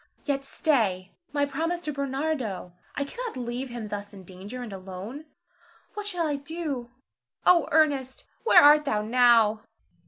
Yet stay! my promise to Bernardo! I cannot leave him thus in danger, and alone. What shall I do? Oh, Ernest, where art thou now?